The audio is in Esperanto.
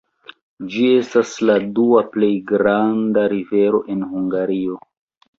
Ĝi estas la dua plej granda rivero en Hungario.